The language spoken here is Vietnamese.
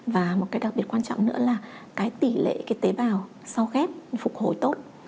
và một cái đặc biệt quan trọng nữa là cái tỷ lệ cái tế bào sau ghép phục hồi tốt